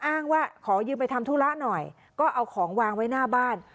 อ้างว่าขอยืมไปทำธุระหน่อยก็เอาของวางไว้หน้าบ้าน